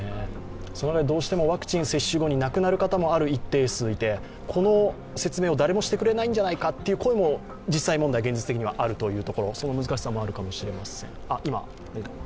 ワクチン接種後に亡くなる方もある一定数いて、この説明を誰もしてくれないんじゃないかということも実際問題、その難しさもあるかもしれません。